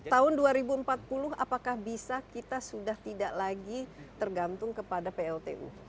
tahun dua ribu empat puluh apakah bisa kita sudah tidak lagi tergantung kepada pltu